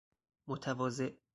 متواضع